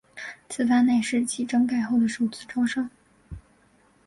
此番乃是其整改后的首次招商。